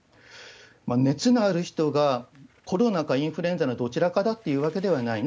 熱のある人が、コロナかインフルエンザのどちらかだというわけではない。